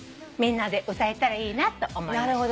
みんなで歌えたらいいなと思いました。